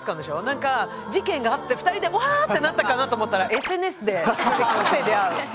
なんか事件があって２人でわーってなったかなと思ったらＳＮＳで出会う。